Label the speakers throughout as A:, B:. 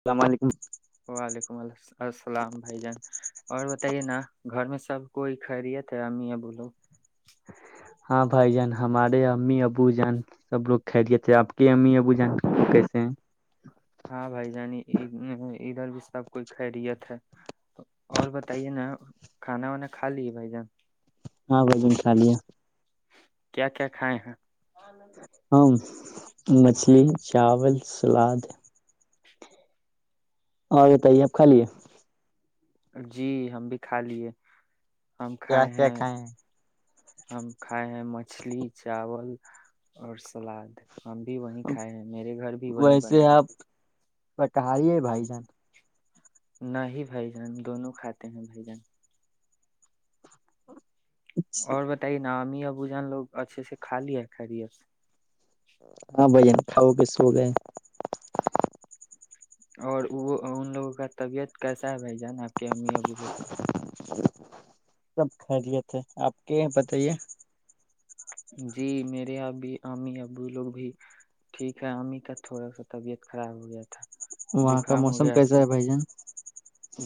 A: السلام علیکم
B: وعلیکم ال السلام بھائی جان اور بتائیے نا گھر میں سب کوئی خیریت ہے امی ہے بولو
A: ہاں بھائی جان ہمارے امی ابو جان سب لوگ کھہ لیے تھے آپ کے امی ابو جان کیسے ہیں
B: ہاں بھائی جان ادھر بھی سب کوئی خیریت ہے اور بتائیے نا کھانا وانا کھا لیے بھائی جان
A: ہاں بجن خالی ہے
B: کیا کیا کھائے ہیں آ نند
A: ہاں مچھلی چاول سلاد اور بتائیے آپ خا لییے
B: جی ہم بھی کھا لیے آکھ
A: کیا کیا
B: ہیں
A: کھائے
B: ہم کھائے ہیں مچھلی چاول اور سلاد ہم بھی وہی کھائے ہیں میرے گھر بھی وہی بنا ہے
A: ب کہال ہے بھائی جان
B: نہیں بھائی جان دونوں کھاتے ہیں بھائی جان اور بتائیے نا ابو جان لوگ اچھے سے کا ل ہے خری
A: ہاں بھائیین کھاؤ پ سو گئے
B: اور وہ ان لوگوں کا طبیعت کیسا ہے بھ جان آپ کے امی ابو لوگ کا
A: ھم [inaudible] سب خیریت ہے آپ کے بتائیے
B: جی میرے اب امی ابو لوگ بھی ٹھیک ہے امی کا تھوڑا سا طبیعت خراب ہو گیا تھا
A: وہاں کا
B: زکام ہو
A: موسم
B: گیا
A: کیسا
B: تھا
A: ہے بھائی جان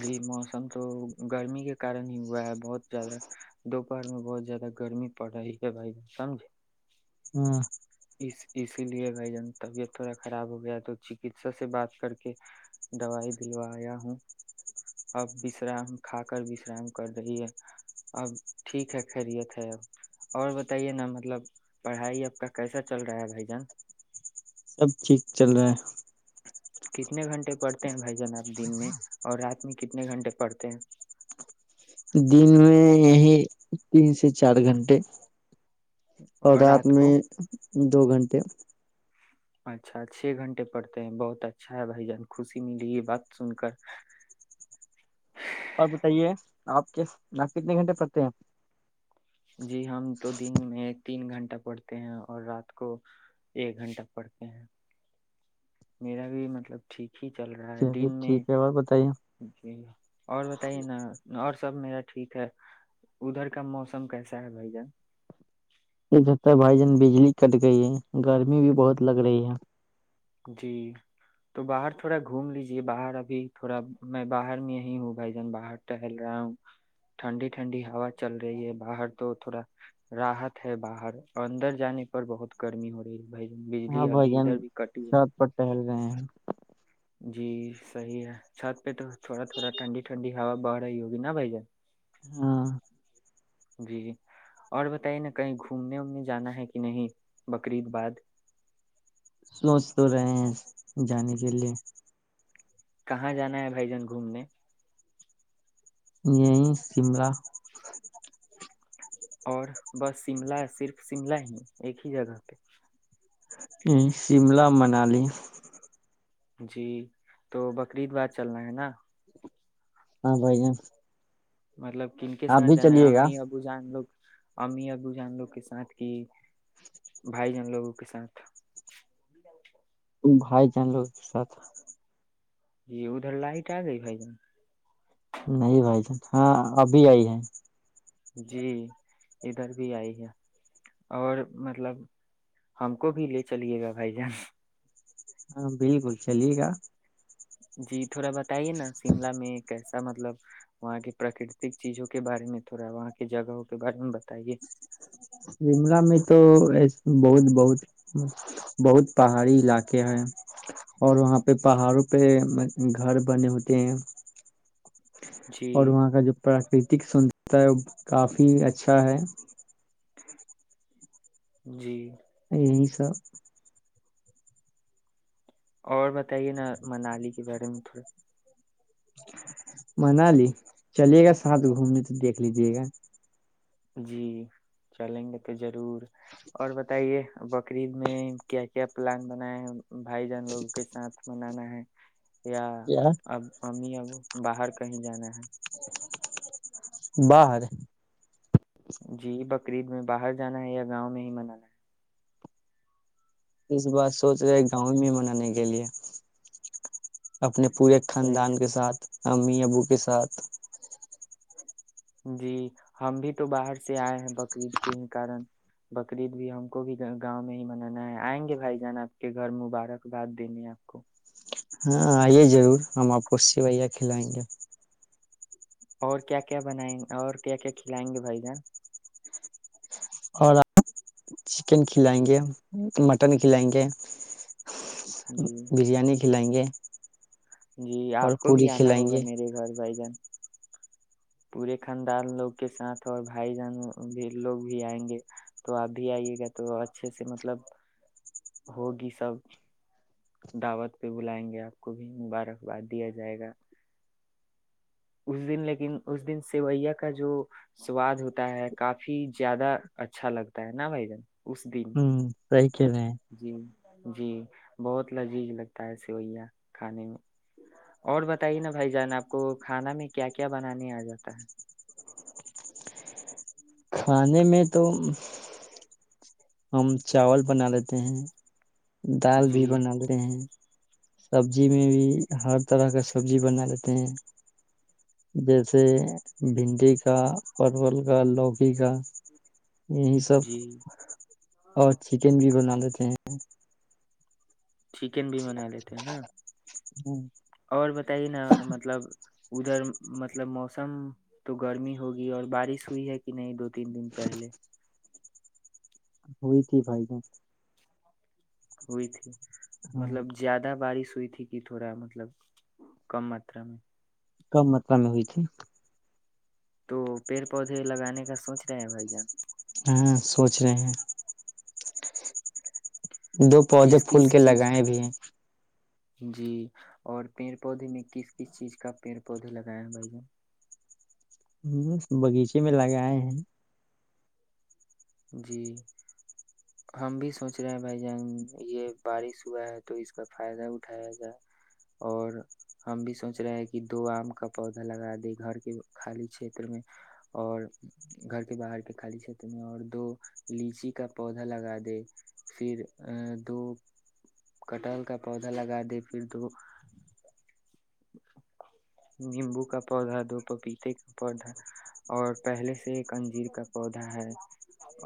B: جی موسم تو گرمی کے کارن ہی ہوا ہے بہت زیادہ دوپہر میں بہت زیادہ گرمی پڑ رہی ہے بھائی ب سمجھے
A: ہاں
B: اسی لیے بھائی جان طبیعت تھوڑا خراب ہو گیا تو چکسا سے بات کر کے دوائی دلوایا ہوں اب وشرام کھا کر وشرام کر رہی ہے اب ٹھیک ہے خیریت ہے اب اور بتائیے نا مطلب پڑھائی اب کا کیسا چل رہا ہے بھائی جان
A: سب ٹھیک چل رہا ہے
B: کتنے گھنٹے پڑھتے ہیں بھائی جان آپ دن میں اور رات میں کتنے گھنٹے پڑھتے ہیں
A: دن میں یہی تین سے چار گھنٹے اور رات میں دو گھنٹے
B: اچھا چھ گھنٹے پڑتے ہیں بہت اچھا ہے بھائی جان خوشی ملی یہ بات سن کر
A: اور بتائیے آپ کے نپ کتنے گھنٹے پڑتے ہیں
B: جی ہم تو دن میں تین گھنٹے گ پڑھتے ہیں اور رات کو ایک گھنٹہ پڑھتے ہیں میرا بھی مطلب ٹھیک ہی چل رہا ہے
A: چلیے
B: دن میں
A: ٹھیک ہے اور بتائیے
B: جی اور بتائیے نا اور سب میرا ٹھیک ہے ادھر کا موسم کیسا ہے بھائی جان
A: یہ چتا ہے بھائی جان بجلی کٹ گئی ہے گرمی بھی بہت لگ رہی ہے
B: جی تو باہر تھوڑا گھوم لیجے باہر ابھی تھوڑا میں باہر میں یہی ہوں بھائی جان باہر ٹہل رہا ہوں ٹھنڈی ٹھنڈی ہوا چل رہی ہے باہر تو تھوڑا راحت ہے باہر اندر جانے پر بہت گرمی ہو رہی ہے بھائی
A: ہاں
B: بجلی
A: بھائی
B: ابھی
A: جان
B: ادھر بھی کٹ
A: سات پر ٹہل رہے ہیں
B: جی صحیح ہے چھات پہ تو تھوڑا تھوا ٹنی ھنی اب ارہی ہوگی نا بھائی جان
A: ہاں
B: جی اور بتائیے نا کہیں گھومنے وومنے جانا ہے کہ نہیں بکر عید باد
A: سوچ تو رہے ہیں جانے کے لیے
B: کہاں جانا ہے بھائی جان گھومنے
A: یہی شملہ
B: اور بس شملہ صرف شملہ ہی ایک ہی جگہ پہ
A: ہمم شملا منالی
B: جی تو بکر عید باد چلنا ہے نا
A: ہاں بھائی جان
B: مطلب کنکے
A: آپ
B: ساتھ
A: بھی
B: جانا ہے
A: چلیے گا
B: امی ابو جان لوگ امی ابو جان لوگ کے ساتھ کہ بھائی جان لوگوں کے ساتھ
A: او بھائی جان لوگ کے ساتھ
B: جی ادھر لائٹ آ گئی بھائی جان
A: نہیں بھائی جان ہاں ابھی آئی ہے
B: جی ادھر بھی آئی ہے اور مطلب ہم کو بھی لے چلیے گا بھائی جان
A: ہاں بالکل چلیے گا
B: جی تھوڑا بہت بتائیے نا شملہ میں کیسے مطلب وہاں کی پراکرتک چیزوں کے بارے میں تھوڑا وہاں کی جگہوں کے بارے میں بتائیے
A: شملہ میں تو بہت بہت بہت پہاڑی علاقے ہیں اور وہاں پہ پہاڑوں پہ گھر بنے ہوتے ہیں
B: جی
A: اور وہاں کا جو پراکرتک سندر تا ہے کافی اچھا ہے
B: جی
A: یہی سب
B: اور بتائیے نا منالی کے بارے میں تھوڑا
A: منالی چلیے گا ساتھ گھومنے تو دیکھ لیجیے گا
B: جی چلیں گے تو ضرور اور بتائیے بکرعید میں کیا کیا پلان بنایا ہے بھائی جان لوگوں کے ساتھ منانا ہے یا
A: یار
B: امی ابو باہر کہیں جانا ہے
A: باہر
B: جی بکرعید میں باہر جانا ہے یا گاؤں میں ہی منانا ہے
A: اس بار سوچ رہے گاؤں میں منانے کے لیے اپنے پورے
B: صحیح
A: خاندان کے ساتھ امی ابو بو کے ساتھ
B: جی ہم بھی تو باہر سے آئے ہیں بقرتید کے ہی کارن بکرعید بھی ہم کو بھی گاؤں میں ہی منانا ہے آئیں گے بھائی جان آپ کے گھر مبارکباد دینے آپ کو
A: ہاں آئیے ضرور ہم آپ کو سویا کھلائیں گے
B: اور کیا کیا بنائیںے اور کیا کیا کھلائیں گے بھائی جان
A: اور آپ چکن کھلائیں گے مٹن کھلائیں گے
B: جی
A: بریانی کھلائیں گے
B: جی
A: اور
B: آپ کو
A: پوری
B: بھی آنا
A: کھلائیں
B: ہوگا
A: گے
B: میرے گھر بھائی جان پورے خاندان لوگ کے ساتھ اور بھائی جان بھی لوگ بھی آئیں گے تو آپ بھی آئیے گا تو اچھے سے مطلب ہوگی سب دعوت پہ بلائیں گے آپ کو بھی مبارکباد دیا جائے گا اس دن لیکن اس دن سیوئیا کا جو سواد ہوتا ہے کافی زیادہ اچھا لگتا ہے نا بھائی جن اسشدن
A: ہ صحیح کھیل رہے ہیں
B: جی جی بہت لذیذ لگتا ہے سویا کھانے میں اور بتائیے نا بھائی جان آپ کو کھانا میں کیا کیا بنانے آ جاتا ہے
A: کھانے میں تو ہم چاول بنا لیتے ہیں
B: ہے
A: دال بھی
B: جی
A: بنا رہے ہیں سبزی میں بھی ہر طرح کا سبزی بنا لیتے ہیں جیسے بھنڈی کا پرول کا لوکی کا یہ سب
B: جی
A: اور چکن بھی بنا لیتے ہیں
B: چکن بھی بنا لیتے ہیں نا
A: ہاں
B: اور بتائیے نا مطلب ادھر مطلب موسم تو گرمی ہوگی اور بارش ہوئی ہے کہ نہیں دو تین دن پہلے
A: ہوئی تھی بھائی
B: ہوئی تھی
A: ہاں
B: مطلب زیادہ بارش سوئی تھی کہ تھوڑا مطلب کم ماترا میں
A: کم ماترا میں ہوئی تھ
B: تو پیڑ پودے لگانے کا سوچ رہے ہیں بھائی جان
A: ہاں سوچ رہے ہیں دو پودے
B: کس
A: پھول
B: کس
A: کے
B: چیز
A: لگائے
B: کا
A: بھی ہیں
B: جی اور پیڑ پودے میں کس کس چیز کا پیڑ پودے لگائے ہیں بھائی ج
A: ہ باغیچے میں لگ آئے ہیں
B: جی ہم بھی سوچ رہے ہیں بھائی جان یہ بارش ہوا ہے تو اس کا فائدہ اٹھایا جائے اور ہم بھی سوچ رہے ہیں کہ دو آم کا پودا لگا دے گھر کے خالی چھیت میں اور گھر کے باہر کے خالی چھیت میں اور دو لیچی کا پودا لگا دے پھر ا دو کٹل کا پودا لگا دے پھر دو نیمبو کا پودا دو پپیتے کا پودا اور پہلے سے ایک انجیر کا پودا ہے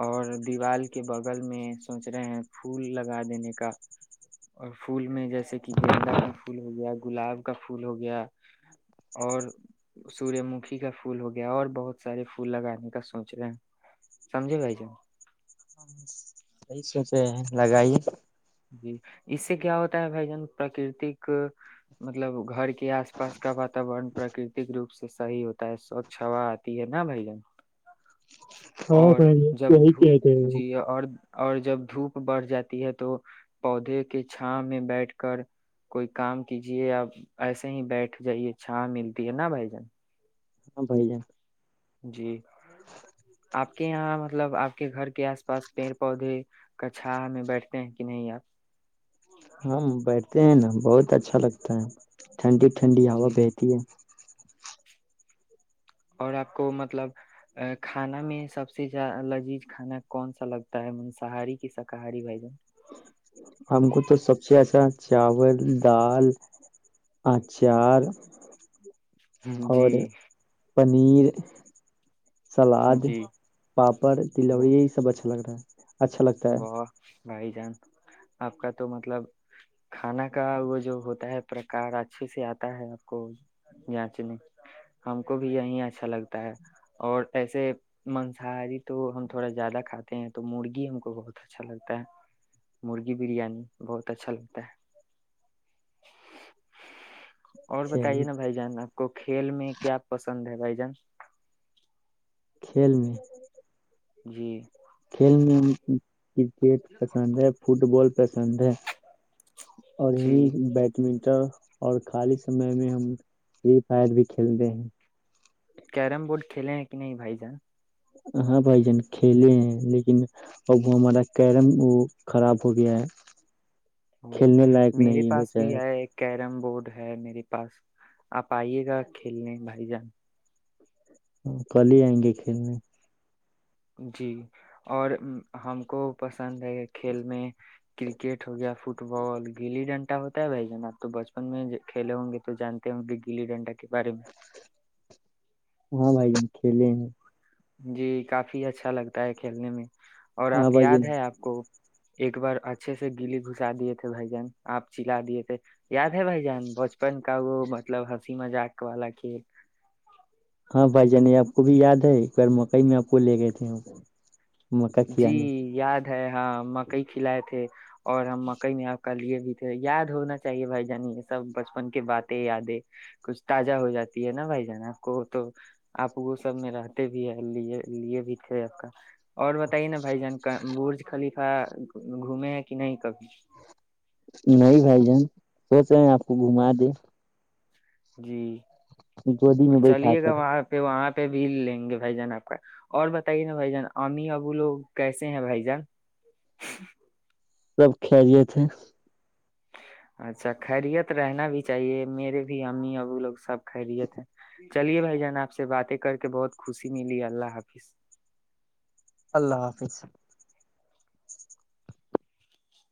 B: اور دیوارال کے بغل میں سوچ رہے ہیں پھول لگا دینے کا اور پھول میں جیسے کہ گینندا کا پھول ہو گیا گلاب کا پھول ہو گیا اور سور مکھی کا پھول ہو گیا اور بہت سارے پھول لگانے کا سوچ رہے ہیں سمجھے بھائی جان
A: سی سو سے لگائی
B: جی اس سے کیا ہوتا ہے بھ جن پراکرتک مطلب گھر کے آس پاس کا واتورن پراکرتک روپ سے صحیح ہوتا ہے سوچھ ہا آتی ہے نا بھ جن
A: ہاں
B: اور
A: بھائی
B: جب
A: صحیح
B: د
A: کہتے ہیں
B: جی اور اور جب دھوپ بڑھ جاتی ہے تو پودے کے چھا میں بیٹھ کر کوئی کام کیجے یا ایسے ہی بیٹھ جائیے چھا ملتی ہے نا بھائی جن
A: ہاں بھائی جان
B: جی آپ کے یہاں مطلب آپ کے گھر کے آس پاس پیڑ پودے کا چھا ہمیں بیٹھتے ہیں کہ نہیں آپ
A: ہم بیک ہیں نا بہت اچھا لگتا ہے ٹھنڈی ٹھنڈی ہوا
B: جی
A: بہتی ہے
B: اور آپ کو مطلب کھانا میں سب سے لذیذ کھانا کون سا لگتا ہے مساہاری کی شاکاری بھائی جن
A: ہم کو تو سب سے ایسا چاول دال اچار
B: ہ جی
A: نیر سلاد
B: جی
A: پاپڑ تلوڑی یہی سب اچھا ا لگ رہا ہے اچھا لگتا ہے
B: و بھائی جان آپ کا تو مطلب کھانا کا وہ جو ہوتا ہے پرکار اچھے سے آتا ہے آپ کو جانچنے ہم کو بھی یہیں اچھا لگتا ہے اور ایسے مانصاہاری تو ہم تھوڑا زیادہ کھاتے ہیں تو مرغی بہت اچھا لگتا ہے مرغی بریانی بہت اچھا لگتا ہے اور
A: چلیے
B: بتائیے نا بھائی جان آپ کو کھیل میں کیا پسند ہے بھائی جان ن [inaudible]
A: کھیل میں
B: جی [inaudible]
A: کھیل میں کرکٹ پسند ہے فٹ بال پسند ہے اور
B: جی
A: یہ بیڈمنٹن اور خالی سمے میں ہم فری فائر بھی کھیلتے ہیں
B: کیرم بورڈ کھیے ہیں کہ نہیں بائی جان
A: ہاں بھائی جان کھیلے ہیں لیکن اب وہ ہمارا کیرم وہ خراب ہو گیا ہے کھیلنے لائق
B: میرے
A: نہیں
B: پاس
A: بچا
B: بھی ہے کیرم بورڈ ہے میرے پاس آپ آئیے گا کھیلنے بھائی جان
A: کل ہی آئیں گے کھیلنے
B: جی اور ہم کو پس پسند ہے کھیل میں کرکٹ ہو گیا فٹ بال گلی ڈنٹا ہوتا ہے بھائی جان آپ تو بچپن میں کھیل ہوں گے تو جانتے ہ گے گلی ڈنڈا کے بارے میں
A: ہاں بھائی کھیلے ہیں [inaudible]
B: جی کافی اچھا لگتا ہے کھیلنے میں اور
A: ہاں
B: آپ
A: بھائی جان
B: یاد ہے آپ کو ایک بار اچھے سے گلی گھسا دیے تھے بھائی جان آپ چلا دیے تھے یاد ہے بھ جان بچپن کا وہ مطلب ہ مذق والا کھیل
A: ہاں بھائی جان یہ آپ کو بھی یاد ہے ایک بار مکئی میں آپ کو لے گئے تھے مکا
B: جی
A: کھیانے
B: یاد ہے ہاں مکئی کھلائے تھے اور ہم مکئی میں آ کا لیے بھی تھے یاد ہونا چاہیے بھائی جان یہ سب بچپن کے باتیں یادیں کچھ تازہ ہو جاتی ہے نا بھائی جان آپ کو تو آپ وہ سب میں رہتے بھی ہے لی لیے بھی تھے آ کا اور بتائیے نا بھائی جان کا بج خالف گھومے ہیں کہ نہیں کبھی
A: نہیں بھائی جان سوچ رہے ہیں آپ کو گھما دیں
B: جی
A: ایک وڈی میں بیٹھا
B: چلیے
A: کر
B: گا وہاں پہ وہاں پہ بھی لیں گے بھائی جان آپ کا اور بتائیے نا بھ جان امی ابو لوگ کیسے ہیں بھائی جان
A: سب کھجے تھے
B: اچھا خیریت رہنا بھی چاہیے میرے بھی امی ابو لوگ سب کھائی دے تھے چلیے بھائی جان آپ سے باتیں کر کے بہت خوشی ملی اللہ حافظ
A: اللہ حافظ